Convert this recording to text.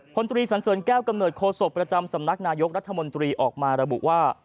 พลตรีสันเสริญแก้วกำเนิดโคศกประจำสำนักนายกรัฐมนตรีออกมาระบุว่า